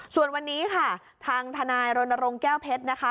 ส่วนวันนี้ค่ะทางทนายรณรงค์แก้วเพชรนะคะ